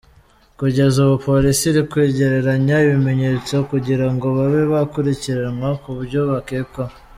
Kugeza ubu, polisi iri kwegeranya ibimenyetso kugira ngo babe bakurikiranwa ku byo bakekwaho.